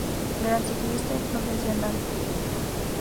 Gran ciclista y profesional.